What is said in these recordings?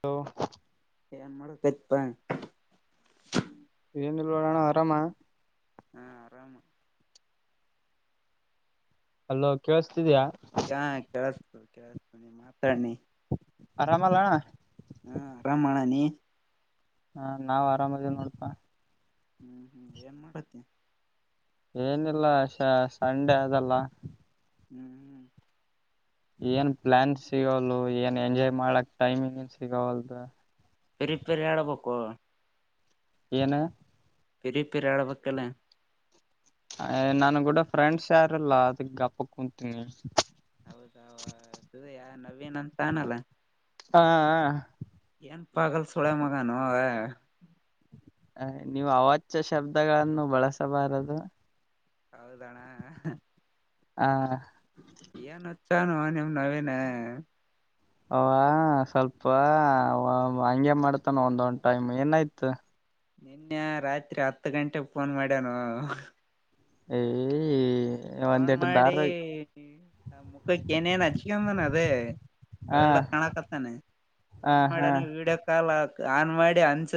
Hello ಏನ್ ಮಾಡಕತ್ತಿಪ್ಪ ಏನಿಲ್ಲ ಅಣ್ಣ ಆರಾಮ ಹಾ ಆರಾಮ ಅಲ್ಲೋ ಕೇಳಸ್ತಿದಯಾ ಹ ಕೆೇಳಸ [unintelligible] ಆರಾಮಲ್ಲಣ ಆರಾಮ ಅಣ್ಣ ನೀ ನಾವು ಆರಾಮ ಅದಿವ ನೋಡಪ್ಪ ಹ್ಮ್ ಹ್ಮ್ ಏನ್ ಮಾಡ್ತಿ ಏನು ಇಲ್ಲ ಸಾ ಸಂಡೆ ಅದ ಅಲ್ಲಾ ಹ್ಮ್ ಹ್ಮ್ ಏನು ಪ್ಲಾನ್ ಸಿಗವಲ್ಲೂ ಎಂಜಾಯ್ ಮಾಡಕ್ಕೆ ಟೈಮ ಸಿಗವಲ್ದು ಪರಿಪೆರಿ ಆಳಕ್ಕು [inaudible] ಏನು ಪಿರಿಪರಿ ಆಡ್ಬೇಕಲ್ ಏ ನನ್ನ ಗುಡ ಯಾರ ಫ್ರೆಂಡ್ಸ್ ಯಾರೀಇಲ್ಲಾ ಅದಕ್ಕ ಗಪ್ ಕೂತೀನಿ ನೀನು ನನ್ ಫ್ಯಾನ್ ಅಲಾ ಹಾ ಹಾ ಏನ್ ಪಾಗಲ್ ಸುಳೇ ಮಗಾನೋ ಹ ನೀವು ಅವಾಚ್ಯ ಶಬ್ದಗಳನ್ನು ಬಳಸಬಾರದು ಹೌದ ಅಣ್ಣಾ ಹಾ ಏನ್ ಹುಚ್ಚ ಆನೊ ನಿಮ್ಮನವೀನಾ ಅವಾ ಸ್ವಲ್ಪ ಅವಾ ಹಂಗೆ ಮಾಡ್ತಾನ ಒಂದೊಂದ್ ಟೈಮ್ ಏನಾಯ್ತು ನಿನ್ನೆ ರಾತ್ರಿ ಹತ್ತು ಗಂಟೆಗೆ ಫೋನ್ ಮಾಡ್ಯನು ಏ ಏ ಫೋನ್ ಮಾಡಿ ಮುಖಕ್ಕೆ ಏನೇನ್ ಹಚ್ಕಂದನ ಅದೇ ಹ ಬೆಳ್ಳಗ ಕಾಣಕತ್ತಯಾನ ಹ ಫೋನ್ ಹಾ ಮಾಡಿಯಾನು ವಿಡಿಯೋ ಕಾಲ್ ಮಾಡಿದ್ದ ಆನ್ ಮಾಡಿ ಅಂಜ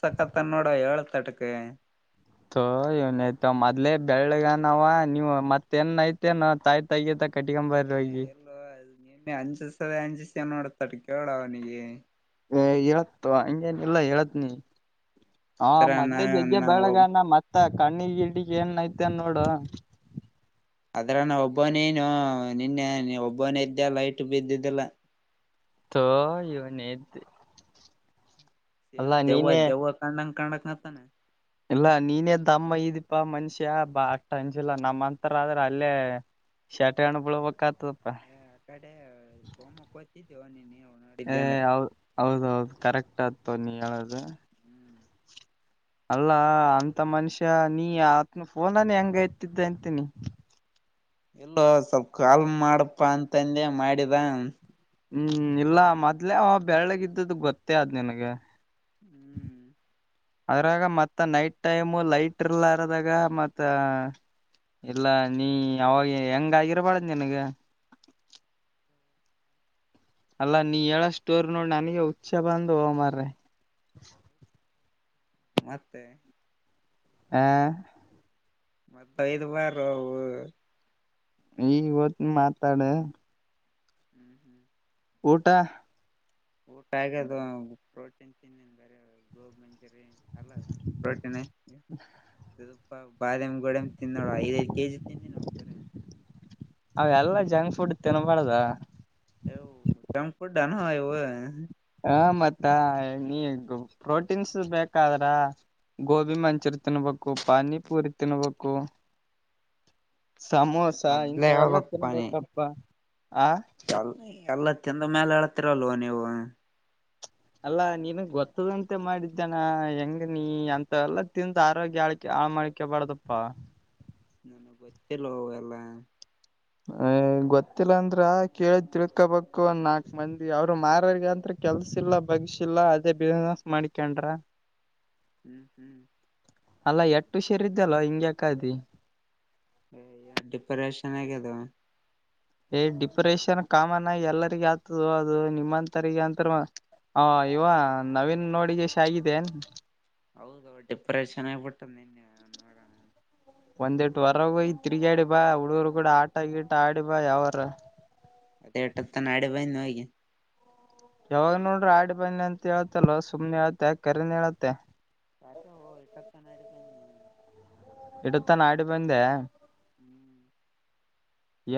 ಸಕ್ಕತ್ತಾನ ಹೇಳತಟಕ ತೋ ಇವನಯ್ತ ಮೊದ್ಲೇ ಬೆಳ್ಳಗನವಾ ನೀವು ಮತ್ತೇನ್ ಐತೆ ನ ತಾಯಿತಾಗಿತಾ ಕಟ್ಕೊಂಡ ಬರೀ ಹೋಗಿ ಅಂಜಿದ ಸ ಅಂಜಿದ ಸವನೋಡ ಕೇಳುವರಿಗೆ ಏ ಇರುತ್ ತೊಗೊ ಹಂಗೆನ್ ಇಲ್ಲಾ ಹೇಳ್ತೀನಿ ಅದ್ರ ಅವನು ನಾ ಮೊದಲೇ ಜಗ್ಯಾ ನ ಬೆಳ್ಳಗ ಹನಾ ಇದ್ದ ಕಣ್ಣಿಗ ಗಿನ್ನಿಗ್ ಏನಾ ಆಯ್ತಾ ಏನ್ ನೋಡು ಅದರಾಗ ನಾ ಒಬ್ಬನೇ ಏನು ನಿನ್ನೆ ನೀ ಒಬ್ಬನೇ ಇದ್ದಲ್ಲ ಲೈಟು ಬಿದ್ದಿಲ್ಲ ಥೂ ಇವ್ನು ಹೆಡ್ತಿ ದೆವ್ವ ದೆವ್ವ ಕಡಂಗ್ ಕನಕಟ್ಟ ಇಲ್ಲಾ ನಿನ್ನೆ ತಮ್ಮ ಆಗಿದಪ್ಪ ಮನುಷ್ಯ ಬಾ ಅಷ್ಟ ಅಂಜಿಲ್ಲ ನಮ್ ಹಂತವರು ಆದ್ರ ಅಲ್ಲೇ ಸಾಟ್ ಹೆಣ್ಣ ಬಿಲ್ಬೆಕ್ ಆಗ್ತುದು ಅಪ್ಪಾ ಸಾಟರ್ಡೆ ಕೋಮಕ್ಕ ಹೋಗ್ತಿದೆ ನೀ ಏ ಹೌದು, ಹೌದ ಕರೆಕ್ಟ ಅದ್ ತೋ ನೀ ಹೇಳೋದು ಹ್ಮ್ ಅಲ್ಲಾ ಅಂತ ಮನುಷ್ಯಾ ನೀನ್ಯಾಕ್ ಫೋನ್ ಹೆಂಗ್ ಎತ್ತಿದೆ ಅಂತೀನಿ ಇಲ್ಲ ಸ್ವಲ್ಪ ಕಾಲ್ ಮಾಡಪಾ ಅಂತ ಅಂದೆ ಮಾಡಿದ್ದ ಅವ್ನು ಹೂ ಇಲ್ಲ ಅವನು ಮೊದ್ಲೇ ಬೆಳ್ಳಿಗೆ ಇದ್ದದು ಗೊತ್ತೆ ಅದಾ ನಿನ್ನಗ ಹ್ಮ್ ಅದ್ರಾಗ ಮತ್ತ ನೈಟ್ ಟೈಮ್ ಲೈಟ್ ಇಲ್ಲಾರದಾಗ ಮತ್ತ ಇಲ್ಲ ನಿನಗೆ ಅವಾಗ ಹೆಂಗೆ ಆಗಿರಬರದ ನಿನ್ಗ ಅಲ್ಲಾ ನೀನ ಹೇಳೋ ಸ್ಟೋರಿ ನೋಡಿ ನನಗೆ ಉಚೆ ಬಂದುವ ಮಾರಾಯ ಮತ್ತೆ ಹ ಮತ್ತೆ ಐದು ವಾರ ಇವತ್ತು ಮಾತಾಡ ಹ್ಮ್ ಹ್ಮ್ ಊಟ ಊಟ ಆಗ್ಯದ ಪ್ರೋಟೀನ್ ತಿಂಡಿನಿ ಗೋಬಿ ಮಂಚೂರಿಯನ್ ಅಲ್ಲ ಪ್ರೋಟನ್ ಸ್ವಲ್ಪ ಬಾದಾಮ ಗೋಡೆಮ್ಮ ತಿಿಂದೋಳ ಐದೈದು ಕೆಜಿ ತಿಿಂದ ನಾವು ಬರ ಅವ ಎಲ್ಲ ಜಂಕ್ ಫುಡ್ ತಿನ್ಬಾರ್ದ ಹೇ ಜಂಕ್ ಫುಡ್ ಏನ್ ಇವ ಹಾ ಮತ್ತ ನೀ ಪ್ರೋಟೀನ್ಸ್ ಬೇಕ ಹಾದ್ರ ಗೋಬಿ ಮಂಚೂರಿ ತಿನ್ಬೇಕು ಪಾನಿಪೂರಿ ತಿನ್ಬೇಕು ಸಮೋಸ ಮದ್ಲ ಇಂಥವೆಲ್ಲಾ ಹೇಳ್ಬೇಕ ಪಾ ನೀ ತಿನ್ಬೇಕಪ್ಪಾ ಆ ಎಲ್ಲ ತಿಂದ ಮೇಲೆ ಹೇಳ್ತೀರಲ್ವ ನೀವು ಅಲ್ಲಾ ನೀನುಗ್ ಗೊತ್ತದಂತೆ ಮಾಡಿದ್ದೇನಾ ಹೆಂಗ ನೀ ಅಂತ ಎಲ್ಲ ತಿಂದ ಆರೋಗ್ಯ ಹಾಲ್ ಹಾಳ್ ಮಾಡ್ಕೋಬಾರ್ದಪ್ಪಾ ನನಗೆ ಗೊತ್ತಿಲ್ಲ ಎಲ್ಲಾ ಹ ಗೊತ್ತಿಲ್ಲ ಅಂದ್ರ ಕೇಳ ತಿಳ್ಕೊಬೇಕು ಒಂದ್ ನಾಕ್ ಮಂದಿ ಅವ್ರು ಮಾರಗಂತ ಕೆಲ್ಸಿಲ್ಲ ಬಗ್ಸಿಲ್ಲಾ ಅದೇ ಬಿಸ್ನೆಸ್ ಮಾಡಿಕೊಂಡ್ರಾ ಹ್ಮ್ ಹ್ಮ್ ಅಲ್ಲಾ ಎಸ್ಟ್ ಹುಷಾರ ಇದ್ದಿ ಅಲ್ಲೋ ಹಿಂಗ್ಯಾಕಾದಿ ಡಿಪ್ರೆಷನ್ ಆಗ್ಯದೋ ಏ್ ಡಿಪ್ರೆಷನ್ ಕಾಮನ್ ಎಲ್ಲರಿಗ ಆತದ ಅದು ನಿಮ್ಮಂತರಿಗೆ ಅಂತ ಹಾ ಇವ ನವೀನ್ ನೋಡಿ ಗಸಿಂದ ಆಗಿದ್ದೇನ್ ಹೌದ ಡಿಪ್ರೆಷನ್ ಬಿಟ್ಟ ನಿನ್ನೆ ನೋಡೋಣ ಒಂದೇಟ ಹೊರಗ ತಿರುಗಾಡಿ ಬಾ ಹುಡುರು ಕೂಡ ಆಟ ಗಿಟ್ಟ ಆಡಿ ಬಾ ಯಾವರ ಅದೇ ಇಟ್ಟ ತನ್ನ ಆಡಿ ಬಂದೇ ಯಾವಾಗ ನೋಡ್ರಿ ಆಡಿ ಬನ್ನಿ ಅಂತ ಹೇಳತ್ತಲ್ವ ಸುಮ್ನೆ ಹೇಳತ್ತೆ ಖರೇನು ಹೇಳ್ತೆ [unintelligible] ಇಟ್ಟೊತನ ಆಡಿ ಬಂದೆ ಹ್ಮ್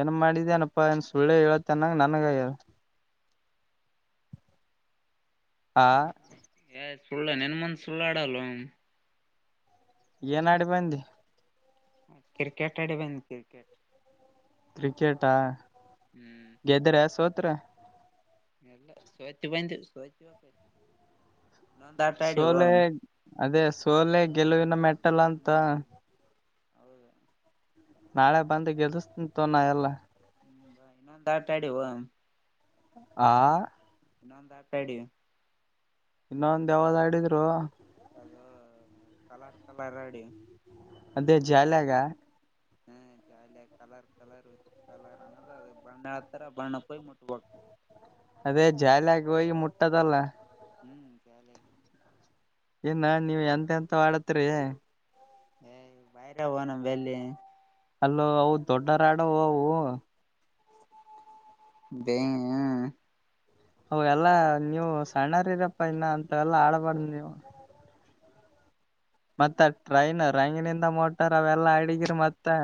ಏನ್ ಮಾಡಿದನಪ್ಪಾ ಏನ್ ಸುಳ್ಳೇ ಹೇಳತ್ತ ಅನ್ನಂಗ ನನಗ ಆಗ್ಯದ ಹ ಏ ಸುಳ್ಳ ನೆನು ಮಂದ ಸುಳ್ಳಾಡಲ್ಲ ಏನ್ ಆಡಿ ಬಂದಿ ಕ್ರಿಕೆಟ್ ಅಡಿ ಬಂದು ಕ್ರಿಕೆಟ್ ಕ್ರಿಕೆಟಾ ಗೆದ್ರೆ ಸೋತ್ರ ಸೋತ ಬಂದ್ವಿ ಸೋಲೆ ಅದೇ ಸೋಲೆ ಗೆಲುವಿನ ಮೆಟ್ಟಲ್ಲ ಅಂತ ಹೌದ ನಾಳೆ ಬಂದು ಗೆದುಸ್ತಿನ ತೋ ನಾ ಎಲ್ಲಾ ಹ ಇನ್ನೊಂದು ಆಟ ಆಡಿ ಓ ಹಾ ಇನ್ನೊಂದು ಆತಾಡಿ ಇನ್ನೊಂದ ಯಾವ್ದ ಆಡಿದ್ರೋ ಅದು ಕಲರ್ ಕಲರ್ ಆಡಿ ಅದೇ ಜಾಲಾಗ ಹ್ಮ ಜಾಲಿಿಯ ಕಲರ್ ಕಲರ್ ಕಲರ್ ಅನ್ನೋದು ಅದು ಬಣ್ಣ ಹೇಳ್ತಾರ ಬಣ್ಣ ಪಯಿ ಮುಟ್ಬ ಅದೇ ಜಾಲಿಯಾಗಿ ಹೋಗಿ ಮುಟ್ಟದಲ್ಲ ಹ್ಮ್ ಕಾಲ ಏನ ನೀವ್ ಎಂತ ಎಂತ ಆಡ್ತ್ರಿ ಏ್ ಬೈರ ನಮ್ಮ ಬೆಲ್ಲಿ ಅಲ್ಲೋ ಅವು ದೊಡ್ಡ ರಾಡವು ಅವು ಬೇಂಗ ಹ ಅ ಎಲ್ಲಾ ನೀವು ಸಣ್ಣರಿೀರಪ್ಪಾ ಇನ್ನ ಅಂತ ಎಲ್ಲಾ ಆಡಬಾರಡ್ದ ನೀವು ಮತ್ತೆ ಟ್ರೈನ್ ರಂಗಿನಿಂದ ಮೋಟರ್ ಅವೆಲ್ಲಾ ಅಡಗಿರಿ ಮತ್ತೆ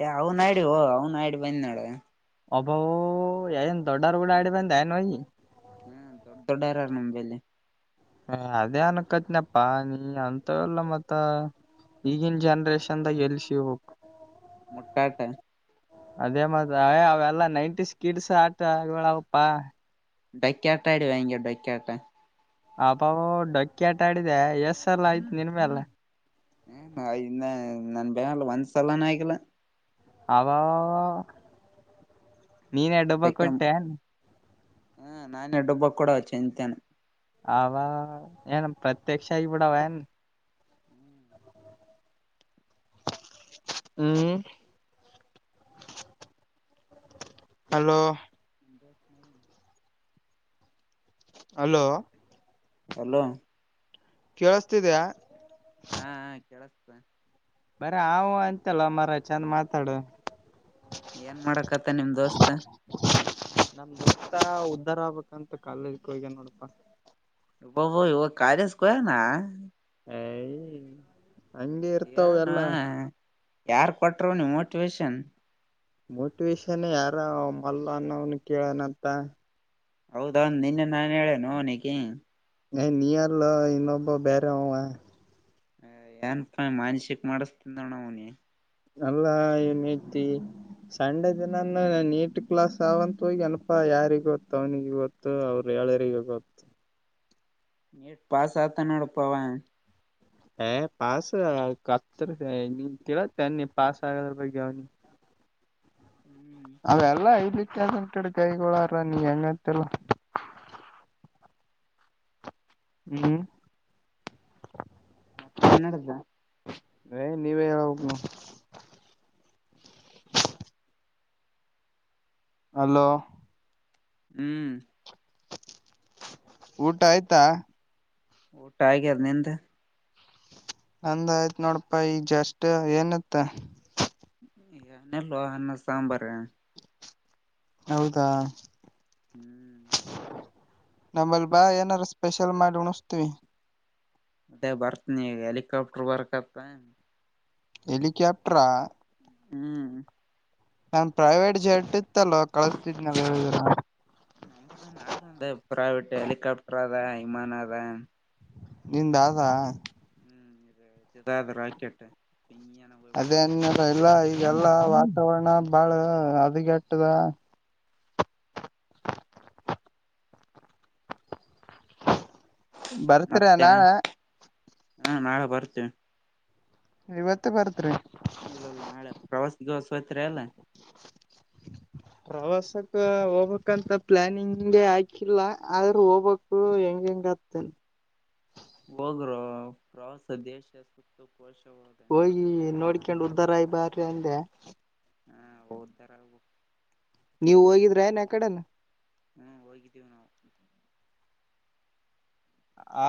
ಏ ಅವ್ ನ ಆಿ ೋ ಅವ್ನ್ ಆಿ ಬಂದ್ ನಾಡ ಅಬೋ ಯಏನು ದೊಡ್ಡಾರಗಡ ಆಡಿ ಬಂದನು ತೊಡ್ಡಾರಾರ ನಮ ಬೆಲ್ಲಿ ಹ ಅದೇ ಅನಕತನಪ್ಪ ನೀ ಅಂತ ಇಲ್ಲ ಮತ್ತ ಈಗಿನ ಮತ್ತೆ ಜನ್ರೇಷನ್ದಾಗ ಎಲ್ಸ ಹೋಗೋಗು ಮುಟ್ಟಾಟ ಅದೇ ಮತ್ರ ಅವೆಲ್ಲಾ ನೈಂಟೀ ಕಿಡ್ಸ್ ಆಟ ಆಗವಳಾವಪ್ಪಾ ಬೆಂಕಿಯಾಟ ಆಡಿ ವಾಂಗಿಯ ೊಕಾಟ ಆಬ ಡೊಕ್ಕಿ ಆಟಾ ಆಡಿದೆ ಎಸ್ ಎಲ್ಲ ಆಯ್ತು ನಿನ್ಮಲ್ಲ ಹ ನ ಇನ್ನ ನನ್ ಬೇಲ್ಲ ಒಂದ್ ಸಲಾನ ಆಗಿಲ್ಲ ಅವ ನೀನ್ ಎಡಬ್ಬ ಕೊಟ್ಟೆ ಹ್ಮ ನಾನನ್ ಎಡ್ಡೊಬ್ಬ ಕೂಡ ಚೆ ಅಂತೇನೆ ಅವವಾ ಏನು ಪ್ರತ್ಯಕ್ಷ ಇ ಬಿಡಾವ ಏನ್ ಹ್ಮ್ ಹಲೋ [unintelligible] ಹಲೋ ಹಲೋ ಕೇಳಸ್ತಿದ್ಯಾ ಹಾ ಕೇಳಸ್ತ ಹ [inaudible] ಬರ ಹವು ಅಂತಲ್ಲ ಮರ ಚಂದ ಮಾತಾಡು ಏನ್ ಮಾಡಕತ್ತ ನಿಮ್ ದೋಸ್ತ್ ನಮ ದತ್ತ ಊತ ಅಧಾರ ಆಗ್ಬಬೇಕಂತ ಕಾಲದಕ್ಕೆ ಹೋಗಗ ನೋಡಪ್ಪಾ ಬಬ ಇ ಕಾಲೇಜಕ ಹೋಗ್ಯನಾ ಏಯ್ ಹಂಗೆ ಇರ್ತಾವ ನು ಎಲ್ಲಾ ಯಾರ್ ಕೊಟರು ನೀ ಮೋಟಿವೇಶನ್ ಮೋಟಿವೇಶನ್ ಯಾರ ಅವ ಮಲ್ಲ ಅನ್ನವ್ನು ಕೇಳನಂತ ಹೌದಂದ ನಿನ್ನೆ ನಾನ ಹೇಳೇನೋವ್ನಿಗಿ ಏ ನೀಯಲೋ ಇನ್ನೊಬ್ಬ ಬೇರೆ ಅವ ಹ ಏನ್ ಮಾನಸಕ್ ಮಾಡಿಸತಿಂದವಣ ಅವನಿ ನಲ್ಲ ಏ ಮೇತಿ ಸಂಡೆ ದಿನಾನ ನೀಟ್ ಕ್ಲಾಸ್ ಅವಂತ ಹೋಗಿ ಅನಪಾ ಯಾರಿಗ ಗೊತ್ತು ಅವ್ನಿಿಗೆ ಗೊತ್ತು ಅವ್ರಿಗೆ. ಕಳರಿಗೆ ಗತ ನೀಟ್ ಪಸಾತಾನೋಡ ಪಾ ಅವ. ಹ ಪಾಸ ಕ ನೀಲ ಪಾಸ ಆಗಾದ್ರ ಬ ನೀ. ಹ್ಮ್ ಅ ಎಲ್ಲ ಇ. ಕ್ಕೆಂ ಕಡೆ ಕೈಗಳಾರ ನೀ ಹೆಂಗತ್ತಲ್ಲ. ಹ್ಮ್. ಮತ್ತೆೇನ್ ನಡಸ ಏ ನೀವೇ ಹೇಳ್ಬೇಕು ಅಲೋ. ಹ್ಮ್. ಊಟ ಆಯ್ತಾ. ಊಟ ಕೆನೆ ಅಂತ. ಅಂದ ಆಯ್ತ್ ನೋಡಪ್ಪಾ ಈ ಜಸ್ ಏನತ್ತ. ನಲ್ವಾ ಅಣ್ಣ ಸಾಂಬಾರ. ಹೌದಾ. ಹ್ಮ್ ನಮ್ಮಲ್ಲಿ ಬಾ ಏನಾರ ಸ್ಪೆಷಲ್ ಮಾಡಿ ಉಣಸ್ತೀವಿ. ಮತ್ತೆ ಬರ್ತನಿ ಹೆಲಿಕಾಪ್ಟರ್ ಬರ್ಕತ್ತ. ಹೆಲಿಕಾಪ್ಟರ್. ಹ್ಮ್.. ನನ್ ಪ್ರೈವೇಟ್ ಜಟ್ ಇತ್ತಲ್ವಾ ಕಳಿಸತಿದ್ ನಾವ ಹೇಳಿದ್ರಾ. ನಂಬದಾನ ಅಂದ ಪ್ರೈವಟ್ ಹೆಲಿಕಾಪ್ಟರಾದಾ ವಿಮಾನಾದಾ. ನಿಂದಾ ಅದ. ಹ್ಮ್ ಆದ ರಾಕೆಟ್. ಪಿಂಗಿಯನ ಹೋಗ್ಬಿಡುತ್ತೆ ಅದೇನ್ಯಾರ ಎಲ್ಲಾ ಈಗೆಲ್ಲಾ ವಾತಾವರಣ ಬಾಳ ಹದಗೆಟ್ಟದ. ಬರ್ತೀರಾ ಮತ್ತೆ ನಾಳೆ. ಹಾ ನಾಳೆ ಬರ್ತೇವೆ. ಇವತ್ತೇ ಬರ್ತ್ರಿ. ಇಲ್ಲಲ್ಲ ನಾಳೆ ಪ್ರವಾಸಿಗಿವಸವತ್ರಿ ಅಲ್ಲ. [unintelligible] ಪ್ರವಾಸಕ್ ಹೋಗಕ್ಕ್ ಅಂತ ಪ್ಲಾನಿಂಗೆ ಹಾಕಿಲ್ಲ ಆದ್ರ ಹೋಬಕ್ಕು ಹೆಂಗ್ ಹೆಂಗ್ ಗೋತ್ತೇನ್ ಹೋಗ್ರೊ ಪ್ರವಾಸ ದೇಶ ಸುತ್ತು ಕೋಶ ಹೋದ ಹೋಗಿ ನೋಡ್ಕೊಂಡ್ ಉದ್ದಾರಯ ಅಗ ಬಾರ ಅಂದೆ. ಹಾ ಔದ್ದಾರ ನೀವು ಹೋಗಿದ್ರ ಏನ್ ಯ ಕಡೆನ? ಹ್ಮ್ ಹೋಗಿದ್ದೀವಿ ನಾವು. ಆ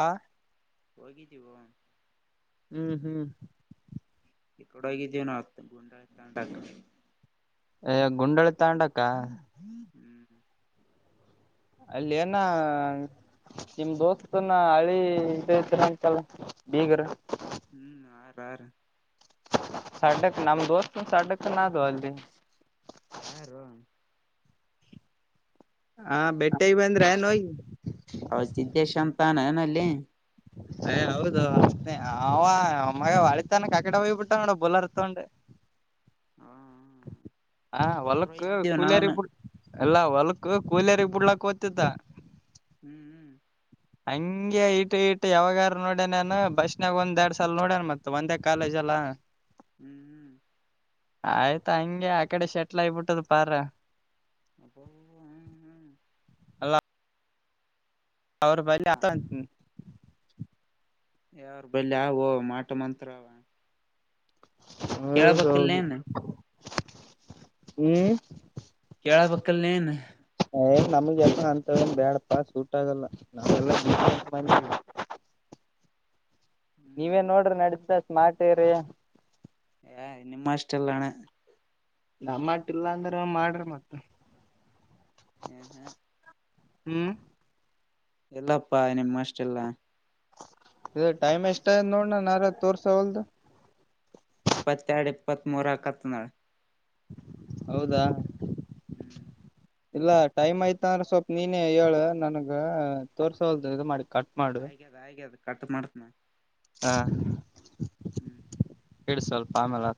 ಹೋಗಿದ್ದೀವೊ. ಹ್ಮ್-ಹ್ಮ್ ಈ ಕಡಗೆ ಒಗಿದ್ವಿ ನ ಆ ಗೋಂಡಳ ತಾಂಡಾಕ. ಅ ಗುಂಡಳಿ ತಾಂಡಕ್ಕ. ಹ್ಮ್ ಅಲ್ಲಿ ಏನಾ ನಿಮ ದೋಸ್ತನ್ನ ಹಳಿ ಇದ್ರತ್ರ ಅಂತಲ್ ಬೀಗರ್ ಹ್ಮ್ ಆರ್-ಆರ್ ಸಡ್ಡಕ್ಕ್ ನಮ್ ದೋಸ್ತನ್ ಸಡ್ಡಕ್ಕನದು ಅಲ್ಲಿ. ಯಾರು ಹಾ ಬೆಟ್ಟಿಗೆ ಬಂದ್ರೆನ್ ಹೋಗಿ ತಾನೆನಲ್ಲೇ ಸೇ ಹೌದು ಅವ ಮ್ಮಗ ಒಳಿತಾನ ಕಾಕಡೆ ಹೋಗ್ಬಿಟ್ಟ ನೋಡ್ ಬುಲರ ತಗೊಂಡ್. [inaudible] ಹ ಹ ಬುಲರ್ ಹೊಲಕ್ ಒಯ್ದಿದ್ದೇವ ಕೂಲಿಯರ್ ನಾವ್ನು ಇಬ್ರು ಎಲ್ಲಾ ಹೊಲ ಕೋಲಿಯಾರಿಗೆ ಬಿಡ್ಲಾಕ್ ಹೋತಿದ್ದ. ಹ್ಮ್-ಹ್ಮ್ ಹಂಗೆ ಇಟ್ಟ ಇಟ್ಟು ಯಾವಾಗಾರ ನೋಡ್ಯನನ್ ಬಸ್ನಾಗ ಒಂದ ಎರಡ್ ಸಲ ನೋಡ್ಯನ ಮತ್ತ ಒಂದೇ ಕಾಲೇಜ ಲ್ಲಾ ಹ್ಮ್-ಹ್ಮ್ ಆಯ್ತಾ ಹಂಗೆ ಆ ಕಡೆ ಶೆಟ್ಲ್ ಆಗಬಿಟ್ಟದ ಪಾರ ಅಬ್ಬೊ ಹ್ಮ್-ಹ್ಮ್ ಅಲ್ಲ ಅವ್ರ ಬಳಿ ಆತನ್ ಯಾವ್ರ ಬಳಿ ಆವೊ ಮಾಟ ಮಂತ್ರವ. ಹೌದೌದು ಹ್ಮ್ ಕೇಳ್ಬೇಕಿಲ್ ನೀನು ನಮಗೆ ಎಲ್ಲ ಅಂತೇಳ್ ಬ್ಯಾಡಪ್ಪ ಸೂಟ್ ಆಗಲ್ಲ ನಾವೆಲ್ಲ [unintelligible] [unintelligible] ನೀವೇನ್ ಹ್ಮ್ ನೋಡ್ರಿ ನಡೀತದ ಸ್ಮಾರ್ಟ್ ಏರಿಯಾ. ಹ ನಿಮ್ಮಷ್ಟಿಲ್ಲಣ ನಮ್ಮಟ್ಟ ಇಲ್ಲಾ ಅಂದ್ರ ಮಾಡ್ರಿ ಮತ್ತ ಹ್ಮ ಹಾ ಹ್ಮ್ ಎಲ್ಲಪ್ಪಾ ನಿಮ್ಮಷ್ಟ ಇಲ್ಲ ಇದ ಟೈಮ್ ಎಷ್ಟ ಅತ್ ನೋಡಣ ನ ಯಾರ ತೋರ್ಸವಲ್ದ ಇಪ್ಪತ್ತೆರಡು ಇಪ್ಪತ್ಮ ಮೂರು ಅಕತ್ನಾಳು ಹೌದಾ ಹ್ಮ್ ಇಲ್ಲ ಟೈಮ್ ಆಯ್ತ ಅಂದ್ರೆ ಸ್ವಲ್ಪ ನೀನೇ ಹೇಳ ನನಗ ತೋರ್ಸೋಲ್ದ ಇದು ಮಾಡಿ ಕಟ್ ಹಾಗ್ಯ ಅದ ಹಾಗ್ಯ ಅದ್ ಕಟ್ ಮಾಡ್ತನ ಹಾ ಹ್ಮ್ ಹೇಳಳ್ವಲ್ಪ ಆಮೇಲೆ